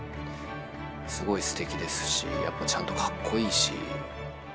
すごいすてきですしやっぱりちゃんとかっこいいし。